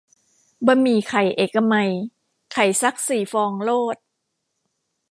บะหมี่ไข่เอกมัย ไข่ซักสี่ฟองโลด